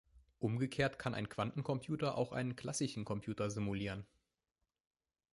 Umgekehrt kann ein Quantencomputer auch einen klassischen Computer simulieren.